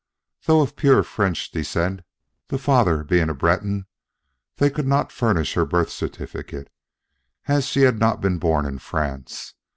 Though of pure French descent, the father being a Breton, they could not furnish her birth certificate, as she had not been born in France.